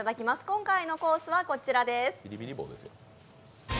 今回のコースはこちらです。